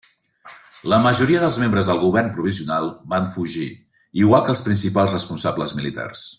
La majoria dels membres del govern provisional van fugir, igual que els principals responsables militars.